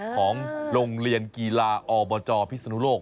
ของโรงเรียนกีฬาอบจพิศนุโลก